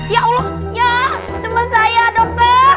ya allah ya teman saya dokter